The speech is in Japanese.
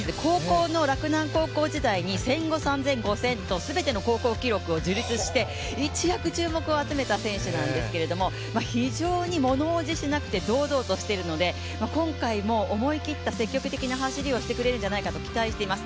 洛南高校時代に１５００ｍ、３０００ｍ、５０００ｍと全ての高校記録を樹立して、一躍注目を集めた選手なんですけども非常に物おじしなくて堂々としているので今回も思い切った積極的な走りをしてくれるんじゃないかと期待しています。